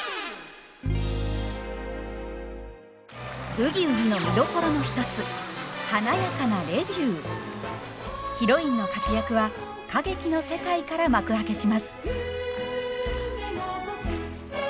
「ブギウギ」の見どころの一つヒロインの活躍は歌劇の世界から幕開けします。